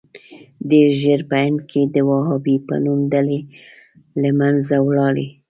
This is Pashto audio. ډېر ژر په هند کې د وهابي په نوم ډلې له منځه ولاړې.